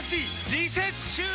リセッシュー！